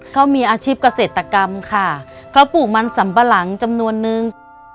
เขามีอาชีพเกษตรกรรมค่ะเขาปลูกมันสำปะหลังจำนวนนึง